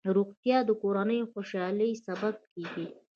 روغتیا د کورنۍ خوشحالۍ سبب کېږي.